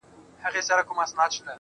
خو حقیقت دا دے